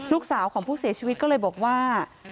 ลูกสาวของผู้เสียชีวิตก็เลยบอกว่า